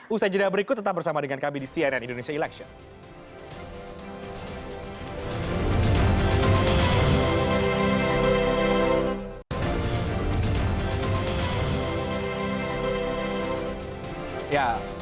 usai jeda berikut tetap bersama dengan kami di cnn indonesia election